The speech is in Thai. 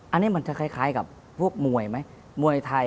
อันนี้มันจะคล้ายกับพวกมวยไหมมวยไทย